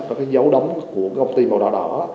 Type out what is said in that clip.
có cái dấu đóng của cái công ty màu đỏ đỏ